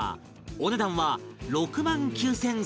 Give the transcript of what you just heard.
お値段は６万９３００円